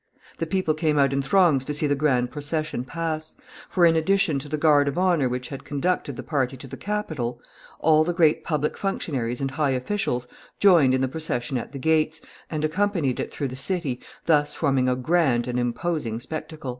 The people came out in throngs to see the grand procession pass; for, in addition to the guard of honor which had conducted the party to the capital, all the great public functionaries and high officials joined in the procession at the gates, and accompanied it through the city, thus forming a grand and imposing spectacle.